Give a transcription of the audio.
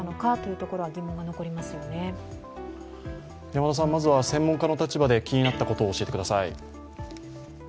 山田さん、まずは専門家の立場で気になったことを教えてください。